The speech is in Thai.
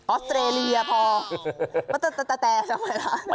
ออสเตรเลียพอมาตะแต่ทำไมละ